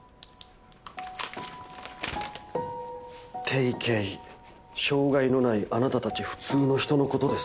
定型障害のないあなたたち普通の人のことです。